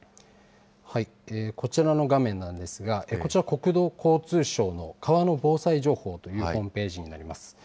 こちらの画面なんですが、こちら、国土交通省の川の防災情報というホームページになります。